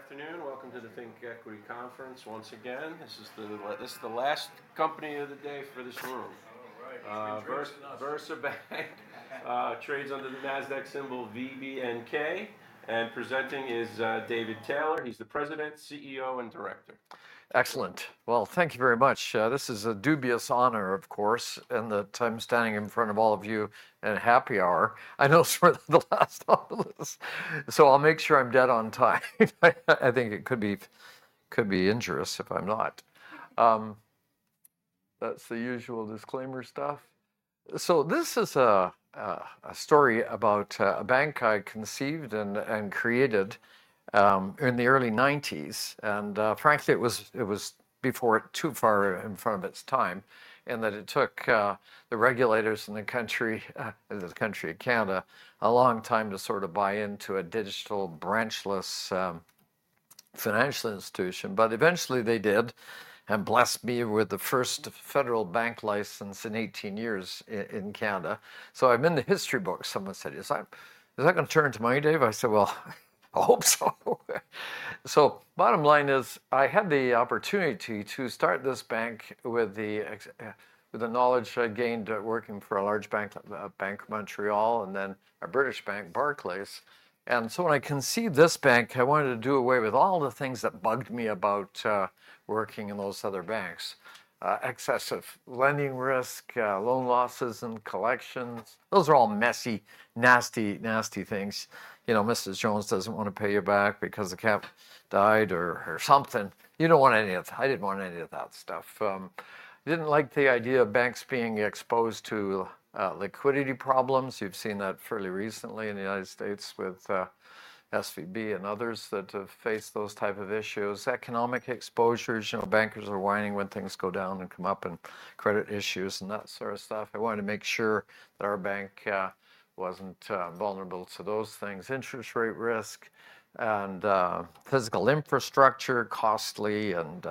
All right, good afternoon. Welcome to the ThinkEquity Conference once again. This is the last company of the day for this room. VersaBank trades under the NASDAQ symbol VBNK. And presenting is David Taylor. He's the President, CEO, and Director. Excellent. Well, thank you very much. This is a dubious honor, of course, in that I'm standing in front of all of you at a happy hour. I know sort of the last of this, so I'll make sure I'm dead on time. I think it could be injurious if I'm not. That's the usual disclaimer stuff, so this is a story about a bank I conceived and created in the early 1990s, and frankly, it was too far in front of its time, in that it took the regulators in the country of Canada a long time to sort of buy into a digital branchless financial institution, but eventually, they did and blessed me with the first federal bank license in 18 years in Canada, so I'm in the history books. Someone said, "Is that going to turn into money, Dave?" I said, "Well, I hope so." So bottom line is I had the opportunity to start this bank with the knowledge I gained working for a large bank, Bank of Montreal, and then a British bank, Barclays. And so when I conceived this bank, I wanted to do away with all the things that bugged me about working in those other banks: excessive lending risk, loan losses and collections. Those are all messy, nasty, nasty things. You know, Mrs. Jones doesn't want to pay you back because the cat died or something. You don't want any of that. I didn't want any of that stuff. I didn't like the idea of banks being exposed to liquidity problems. You've seen that fairly recently in the United States with SVB and others that have faced those types of issues. Economic exposures. You know, bankers are whining when things go down and come up and credit issues and that sort of stuff. I wanted to make sure that our bank wasn't vulnerable to those things: interest rate risk and physical infrastructure, costly, and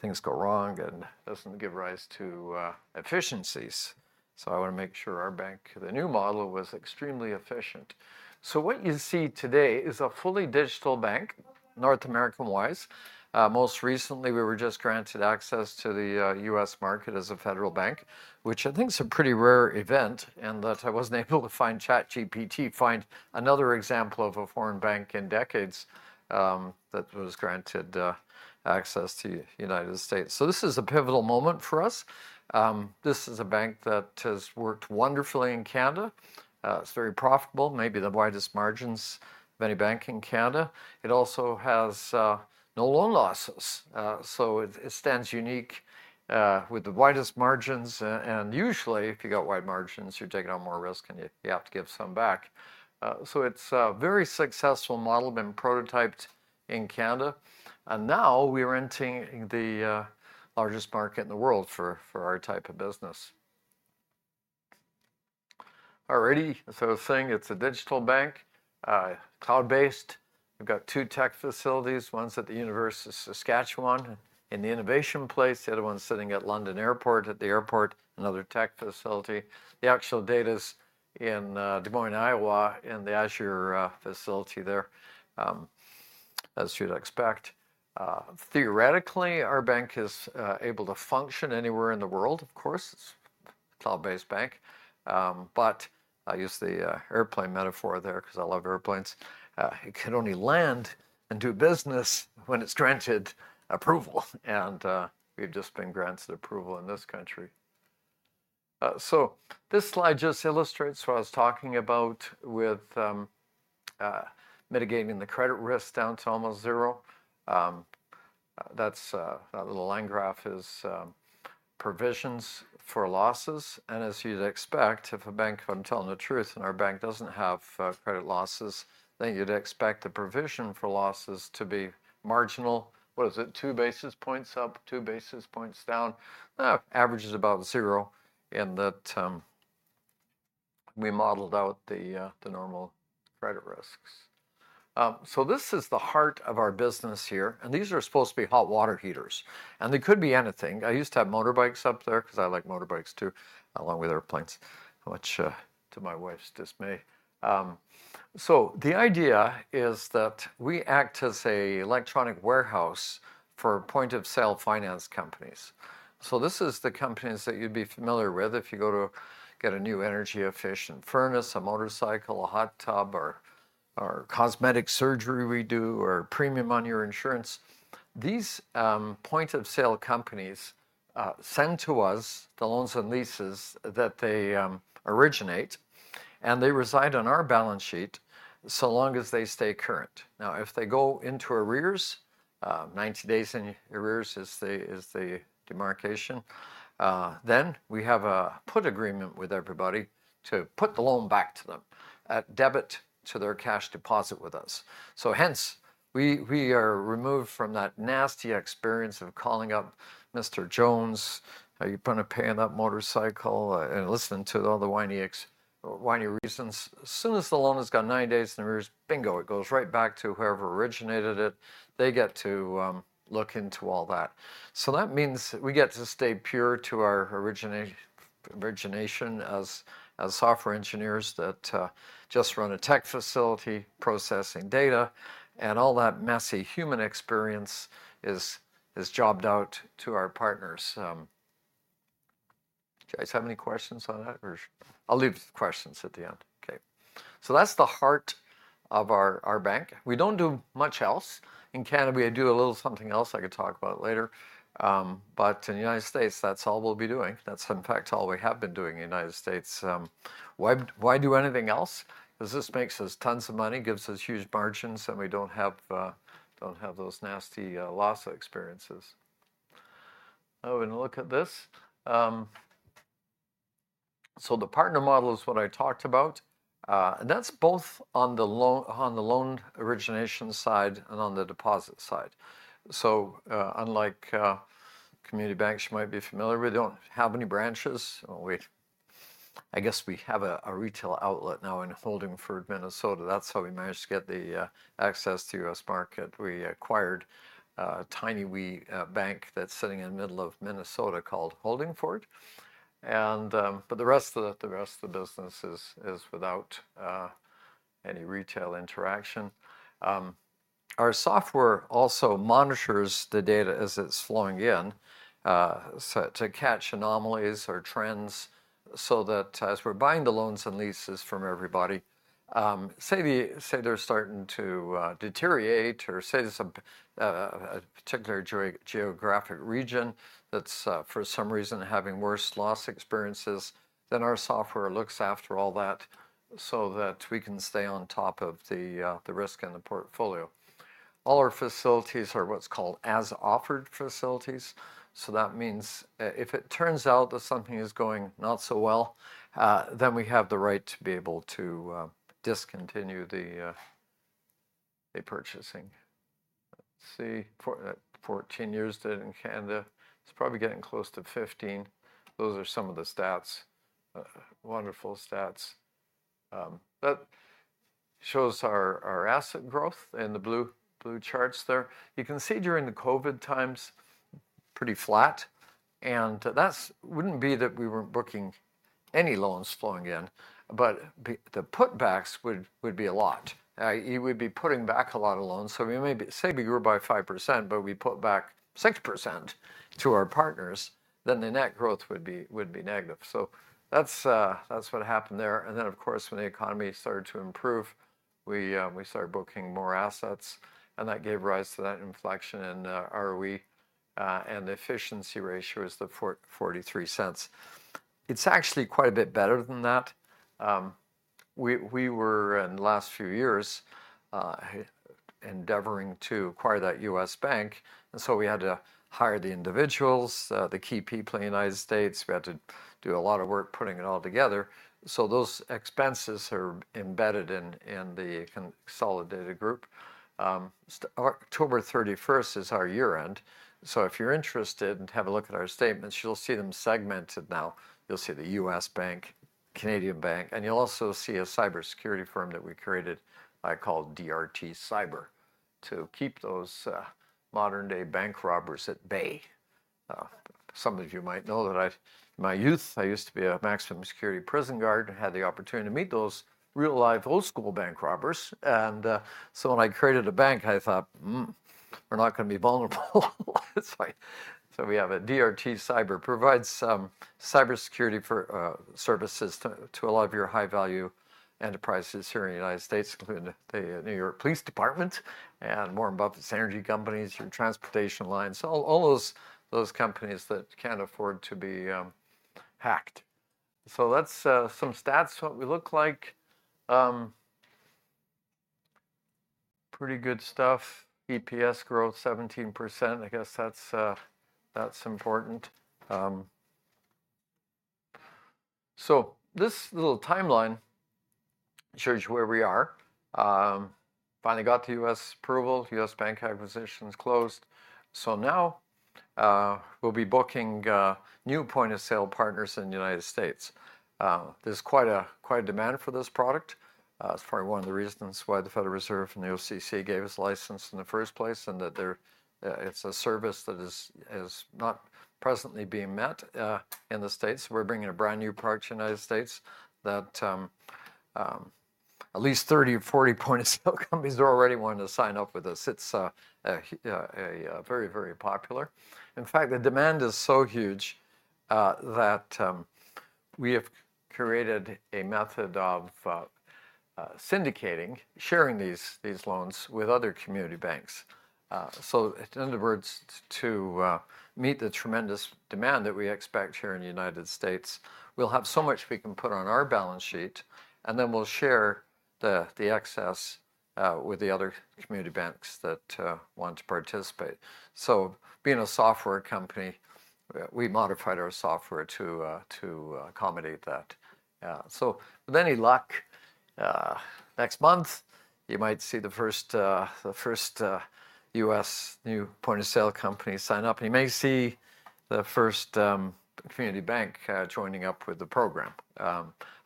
things go wrong and doesn't give rise to efficiencies. So I want to make sure our bank, the new model, was extremely efficient. So what you see today is a fully digital bank, North American-wise. Most recently, we were just granted access to the U.S. market as a federal bank, which I think is a pretty rare event in that I wasn't able to find ChatGPT, find another example of a foreign bank in decades that was granted access to the United States. So this is a pivotal moment for us. This is a bank that has worked wonderfully in Canada. It's very profitable, maybe the widest margins of any bank in Canada. It also has no loan losses. So it stands unique with the widest margins. And usually, if you've got wide margins, you're taking on more risk and you have to give some back. So it's a very successful model been prototyped in Canada. And now we are entering the largest market in the world for our type of business. All righty. So I was saying it's a digital bank, cloud-based. We've got two tech facilities, one's at the University of Saskatchewan in the Innovation Place. The other one's sitting at London Airport, at the airport, another tech facility. The actual data is in Des Moines, Iowa, in the Azure facility there, as you'd expect. Theoretically, our bank is able to function anywhere in the world, of course. It's a cloud-based bank. But I use the airplane metaphor there because I love airplanes. It can only land and do business when it's granted approval. And we've just been granted approval in this country. So this slide just illustrates what I was talking about with mitigating the credit risk down to almost zero. That little line graph is provisions for losses. And as you'd expect, if a bank, if I'm telling the truth, and our bank doesn't have credit losses, then you'd expect the provision for losses to be marginal. What is it? Two basis points up, two basis points down. Average is about zero in that we modeled out the normal credit risks. So this is the heart of our business here. And these are supposed to be hot water heaters. And they could be anything. I used to have motorbikes up there because I like motorbikes too, along with airplanes, much to my wife's dismay. So the idea is that we act as an electronic warehouse for point-of-sale finance companies. So this is the companies that you'd be familiar with if you go to get a new energy-efficient furnace, a motorcycle, a hot tub, or cosmetic surgery we do, or premium on your insurance. These point-of-sale companies send to us the loans and leases that they originate, and they reside on our balance sheet so long as they stay current. Now, if they go into arrears, 90 days in arrears is the demarcation, then we have a put agreement with everybody to put the loan back to them at debit to their cash deposit with us. So hence, we are removed from that nasty experience of calling up Mr. Jones, "How are you going to pay on that motorcycle?" and listening to all the whiny reasons. As soon as the loan has got nine days in arrears, bingo, it goes right back to whoever originated it. They get to look into all that, so that means we get to stay pure to our origination as software engineers that just run a tech facility processing data, and all that messy human experience is jobbed out to our partners. Do you guys have any questions on that? I'll leave questions at the end. Okay, so that's the heart of our bank. We don't do much else. In Canada, we do a little something else I could talk about later, but in the United States, that's all we'll be doing. That's, in fact, all we have been doing in the United States. Why do anything else? Because this makes us tons of money, gives us huge margins, and we don't have those nasty loss experiences. I'm going to look at this. So the partner model is what I talked about. And that's both on the loan origination side and on the deposit side. So unlike community banks you might be familiar with, they don't have any branches. I guess we have a retail outlet now in Holdingford, Minnesota. That's how we managed to get the access to the U.S. market. We acquired a tiny bank that's sitting in the middle of Minnesota called Holdingford. But the rest of the business is without any retail interaction. Our software also monitors the data as it's flowing in to catch anomalies or trends so that as we're buying the loans and leases from everybody, say they're starting to deteriorate or say there's a particular geographic region that's for some reason having worse loss experiences, then our software looks after all that so that we can stay on top of the risk in the portfolio. All our facilities are what's called as-offered facilities. So that means if it turns out that something is going not so well, then we have the right to be able to discontinue the purchasing. Let's see. 14 years did it in Canada. It's probably getting close to 15. Those are some of the stats. Wonderful stats. That shows our asset growth in the blue charts there. You can see during the COVID times, pretty flat. That wouldn't be that we weren't booking any loans flowing in, but the putbacks would be a lot. We would be putting back a lot of loans. Say we grew by 5%, but we put back 6% to our partners, then the net growth would be negative. That's what happened there. Then, of course, when the economy started to improve, we started booking more assets. That gave rise to that inflection in ROE. The efficiency ratio is the 0.43. It's actually quite a bit better than that. We were, in the last few years, endeavoring to acquire that U.S. bank. We had to hire the individuals, the key people in the United States. We had to do a lot of work putting it all together. Those expenses are embedded in the consolidated group. October 31st is our year-end. So if you're interested and have a look at our statements, you'll see them segmented now. You'll see the U.S. bank, Canadian bank. And you'll also see a cybersecurity firm that we created called DRT Cyber to keep those modern-day bank robbers at bay. Some of you might know that in my youth, I used to be a maximum security prison guard and had the opportunity to meet those real-life old-school bank robbers. And so when I created a bank, I thought, "We're not going to be vulnerable." So we have a DRT Cyber. It provides some cybersecurity services to a lot of your high-value enterprises here in the United States, including the New York Police Department and Warren Buffett's energy companies, your transportation lines, all those companies that can't afford to be hacked. So that's some stats, what we look like. Pretty good stuff. EPS growth, 17%. I guess that's important. So this little timeline shows you where we are. Finally got to U.S. approval. U.S. bank acquisitions closed. So now we'll be booking new point-of-sale partners in the United States. There's quite a demand for this product. It's probably one of the reasons why the Federal Reserve and the OCC gave us license in the first place and that it's a service that is not presently being met in the States. We're bringing a brand new product to the United States that at least 30 or 40 point-of-sale companies are already wanting to sign up with us. It's very, very popular. In fact, the demand is so huge that we have created a method of syndicating, sharing these loans with other community banks. So in other words, to meet the tremendous demand that we expect here in the United States, we'll have so much we can put on our balance sheet, and then we'll share the excess with the other community banks that want to participate. So being a software company, we modified our software to accommodate that. So with any luck, next month, you might see the first U.S. new point-of-sale company sign up. And you may see the first community bank joining up with the program.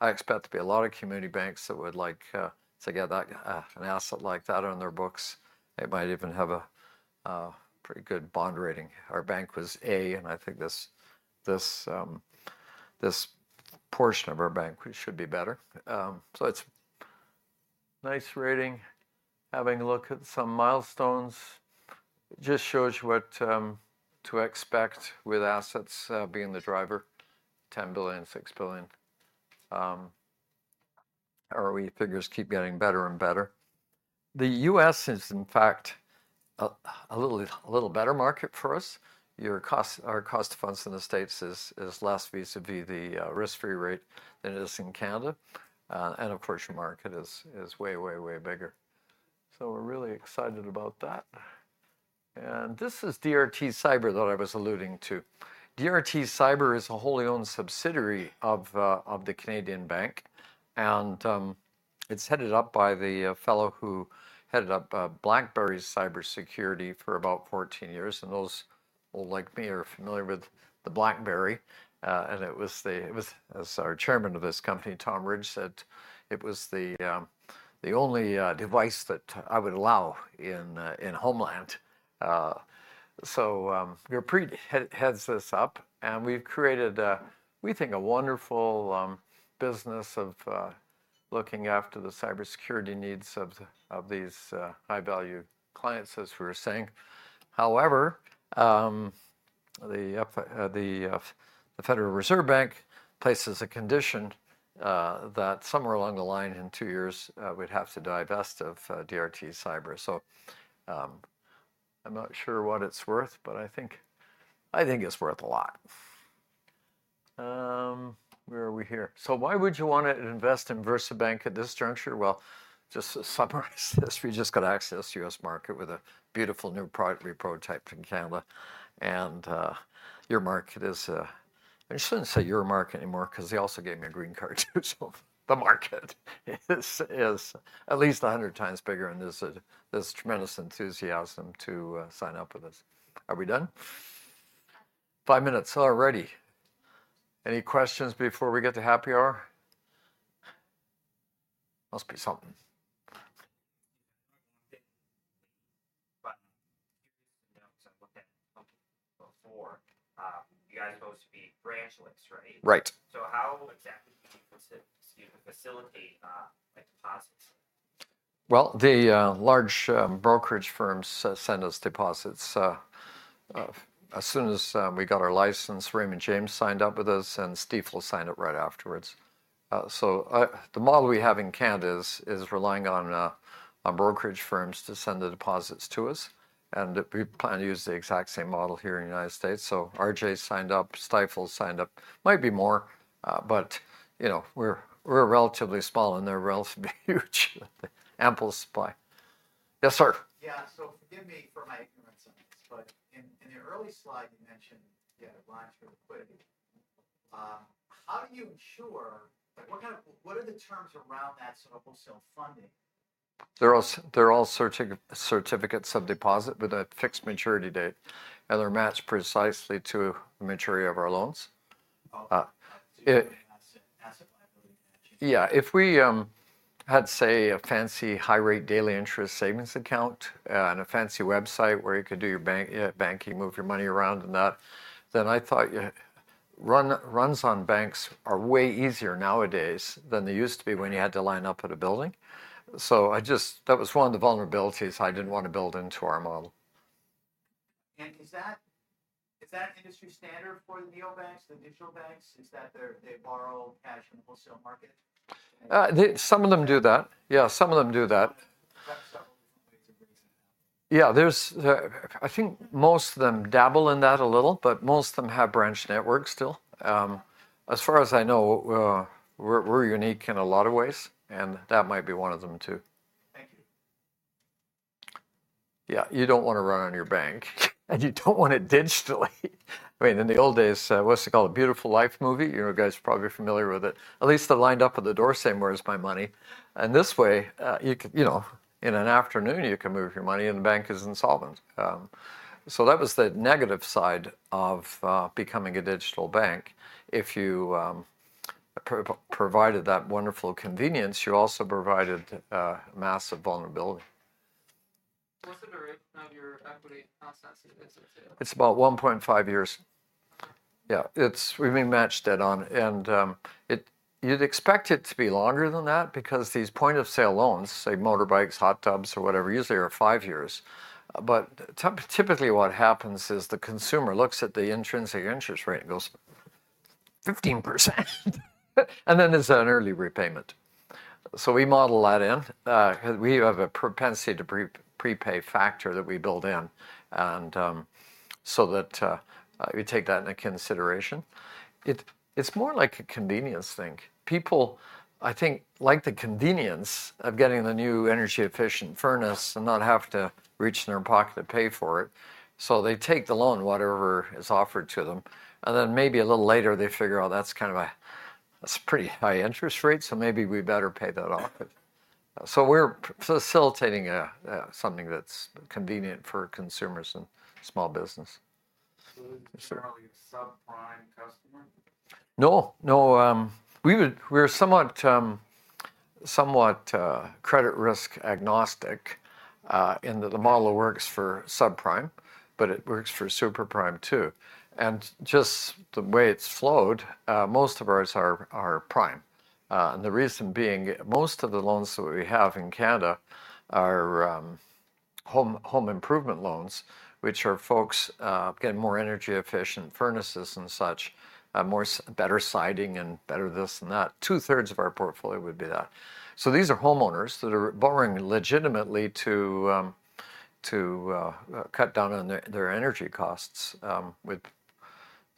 I expect there'll be a lot of community banks that would like to get an asset like that on their books. It might even have a pretty good bond rating. Our bank was A, and I think this portion of our bank should be better. So it's a nice rating. Having a look at some milestones, it just shows you what to expect with assets being the driver: 10 billion, 6 billion. ROE figures keep getting better and better. The U.S. is, in fact, a little better market for us. Our cost of funds in the States is less vis-à-vis the risk-free rate than it is in Canada. And of course, your market is way, way, way bigger. So we're really excited about that. And this is DRT Cyber that I was alluding to. DRT Cyber is a wholly owned subsidiary of the Canadian bank. And it's headed up by the fellow who headed up BlackBerry's cybersecurity for about 14 years. And those like me are familiar with the BlackBerry. And as our chairman of this company, Tom Ridge, said, it was the only device that I would allow in Homeland. So we're pretty happy he heads this up. We've created, we think, a wonderful business of looking after the cybersecurity needs of these high-value clients, as we were saying. However, the Federal Reserve Bank places a condition that somewhere along the line in two years, we'd have to divest of DRT Cyber. I'm not sure what it's worth, but I think it's worth a lot. Where are we here? Why would you want to invest in VersaBank at this juncture? Just to summarize this, we just got access to U.S. market with a beautiful new product we prototyped in Canada. Your market is, I shouldn't say your market anymore because he also gave me a green card too. The market is at least 100 times bigger. There's tremendous enthusiasm to sign up with us. Are we done? Five minutes already. Any questions before we get to happy hour? Must be something. But.Materials and notes I looked at a couple of days before. You guys are supposed to be branchless, right? Right. So how exactly do you facilitate deposits? Well, the large brokerage firms send us deposits. As soon as we got our license, Raymond James signed up with us, and Stifel will sign it right afterwards. So the model we have in Canada is relying on brokerage firms to send the deposits to us. And we plan to use the exact same model here in the United States. So RJ signed up, Stifel signed up. Might be more. But we're relatively small, and they're relatively huge. Ample supply. Yes, sir. Yeah. So forgive me for my ignorance on this. But in the early slide, you mentioned lines for liquidity. How do you ensure what are the terms around that sort of wholesale funding? They're all certificates of deposit with a fixed maturity date, and they're matched precisely to the maturity of our loans. Yeah. If we had, say, a fancy high-rate daily interest savings account and a fancy website where you could do your banking, move your money around and that, then I thought runs on banks are way easier nowadays than they used to be when you had to line up at a building, so that was one of the vulnerabilities I didn't want to build into our model. And is that industry standard for the neobanks, the digital banks? Is that they borrow cash in the wholesale market? Some of them do that. Yeah, some of them do that. Yeah. I think most of them dabble in that a little, but most of them have branch networks still. As far as I know, we're unique in a lot of ways. That might be one of them too. Thank you. Yeah. You don't want a run on your bank, and you don't want it digital. I mean, in the old days, what's it called? It's a Wonderful Life movie. You guys are probably familiar with it. At least they're lined up at the door saying, "Where's my money?" This way, in an afternoon, you can move your money, and the bank is insolvent. That was the negative side of becoming a digital bank. If you provided that wonderful convenience, you also provided massive vulnerability. What's the duration of your equity process? It's about 1.5 years. Yeah. We've been matched dead on. You'd expect it to be longer than that because these point-of-sale loans, say, motorbikes, hot tubs, or whatever, usually are five years. But typically, what happens is the consumer looks at the intrinsic interest rate and goes, "15%." And then there's an early repayment. So we model that in. We have a propensity to prepay factor that we build in. And so we take that into consideration. It's more like a convenience thing. People, I think, like the convenience of getting the new energy-efficient furnace and not have to reach in their pocket to pay for it. So they take the loan, whatever is offered to them. And then maybe a little later, they figure, "Oh, that's kind of a pretty high interest rate, so maybe we better pay that off." So we're facilitating something that's convenient for consumers and small business. So you're probably a subprime customer? No. No. We're somewhat credit risk agnostic in that the model works for subprime, but it works for superprime too. And just the way it's flowed, most of ours are prime. And the reason being, most of the loans that we have in Canada are home improvement loans, which are folks getting more energy-efficient furnaces and such, better siding and better this and that. Two-thirds of our portfolio would be that. So these are homeowners that are borrowing legitimately to cut down on their energy costs.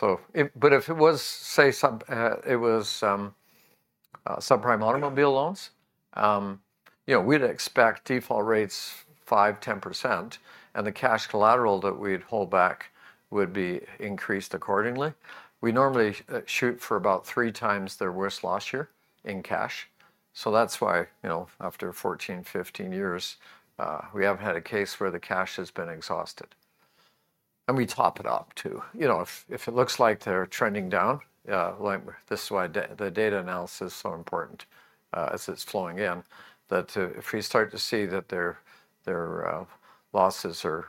But if it was, say, it was subprime automobile loans, we'd expect default rates 5%-10%. And the cash collateral that we'd hold back would be increased accordingly. We normally shoot for about three times their worst loss year in cash. So that's why after 14-15 years, we haven't had a case where the cash has been exhausted. And we top it up too. If it looks like they're trending down, this is why the data analysis is so important as it's flowing in, that if we start to see that their losses or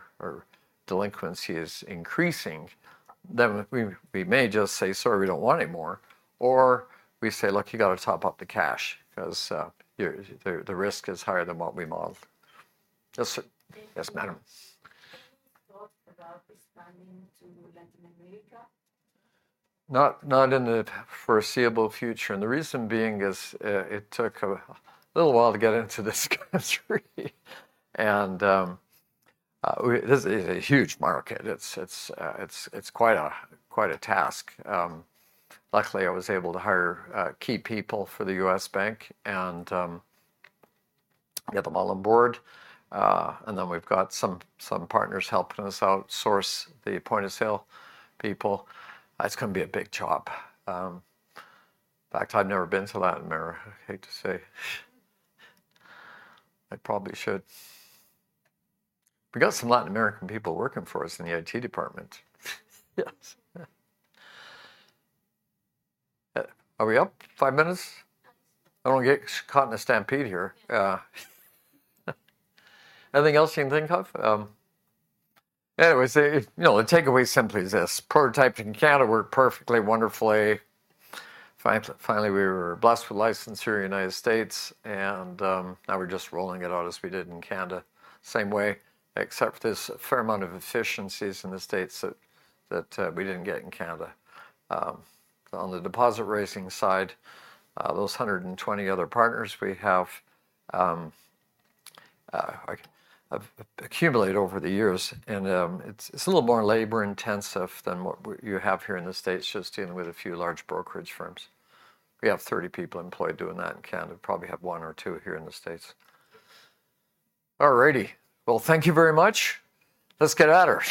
delinquency is increasing, then we may just say, "Sorry, we don't want any more." Or we say, "Look, you got to top up the cash because the risk is higher than what we model." Yes, madam. Thoughts about expanding to Latin America? Not in the foreseeable future, and the reason being is it took a little while to get into this country, and this is a huge market. It's quite a task. Luckily, I was able to hire key people for the U.S. bank and get them all on board, and then we've got some partners helping us outsource the point-of-sale people. It's going to be a big job. In fact, I've never been to Latin America. I hate to say. I probably should. We got some Latin American people working for us in the IT department. Yes. Are we up? Five minutes? I don't want to get caught in a stampede here. Anything else you can think of? Anyways, the takeaway is simply this. Prototyped in Canada, worked perfectly, wonderfully. Finally, we were blessed with licensure in the United States and now we're just rolling it out as we did in Canada. Same way, except for there's a fair amount of efficiencies in the States that we didn't get in Canada. On the deposit-raising side, those 120 other partners we have accumulated over the years and it's a little more labor-intensive than what you have here in the States, just dealing with a few large brokerage firms. We have 30 people employed doing that in Canada. Probably have one or two here in the States. All righty. Well, thank you very much. Let's get at her.